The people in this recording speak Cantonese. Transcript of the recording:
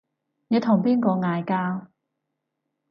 你同邊個嗌交